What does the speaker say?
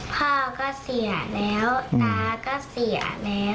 พ่อก็เสียแล้วน้าก็เสียแล้ว